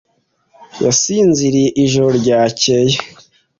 Yasinziriye ijoro ryakeye.